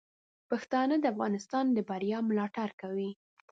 پښتانه د افغانستان د بریا ملاتړ کوي.